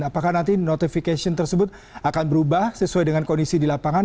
apakah nanti notification tersebut akan berubah sesuai dengan kondisi di lapangan